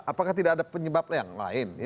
apakah tidak ada penyebab yang lain